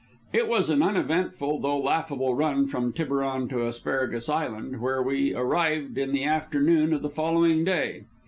It was an uneventful though laughable run from Tiburon to Asparagus Island, where we arrived in the afternoon of the following day.